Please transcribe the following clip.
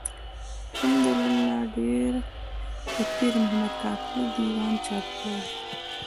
حمدالله د پيرمحمد کاکړ د ېوان چاپ کړی دﺉ.